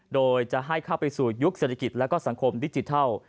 โดยจะให้เข้าไปสู่ยุคเศรษฐกิจและสังคมดิจิทัล